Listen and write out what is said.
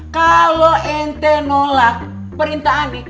kalo ente nolak perintah ane